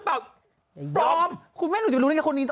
เราอะไร